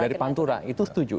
dari pantura itu setuju